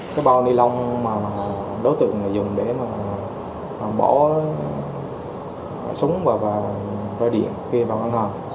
cái bao ni lông mà đối tượng dùng để bỏ súng và roi điện khi vào ngân hàng